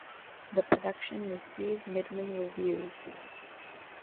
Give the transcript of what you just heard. The production received middling reviews.